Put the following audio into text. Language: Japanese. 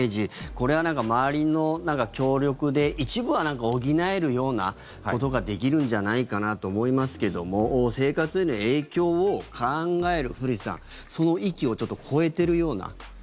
これは周りの協力で一部は補えるようなことができるんじゃないかなと思いますけども生活への影響を考える古市さん、その域をちょっと越えてるような。